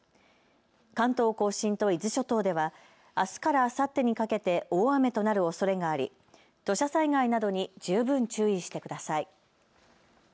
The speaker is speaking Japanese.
関東甲信と伊豆諸島ではあすからあさってにかけて大雨となるおそれがあり土砂災害などに十分注意してください。